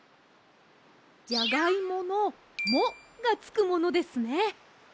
じゃがいもの「も」がつくものですね。